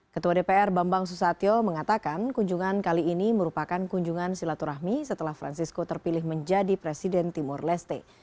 ketua dpr bambang susatyo mengatakan kunjungan kali ini merupakan kunjungan silaturahmi setelah francisco terpilih menjadi presiden timur leste